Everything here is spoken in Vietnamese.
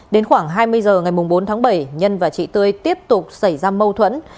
đến khoảng hai mươi h ngày bốn tháng bảy nhân và chị tươi tiếp tục xảy ra mâu thuẫn